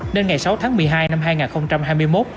nên ngày sáu tháng một mươi hai năm hai nghìn hai mươi một